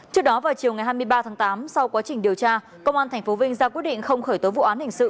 trước đó vào chiều ngày hai mươi ba tháng tám sau quá trình điều tra công an tp vinh ra quyết định không khởi tố vụ án hình sự